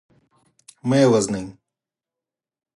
مه یې وژنی.